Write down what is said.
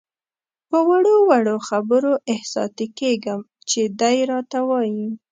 په وړو وړو خبرو احساساتي کېږم چې دی راته وایي.